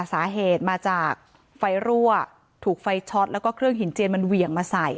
สาเหตุมาจากไฟรั่วถูกไฟช็อตแล้วก็เครื่องหินเจียนมันเหวี่ยงมาใส่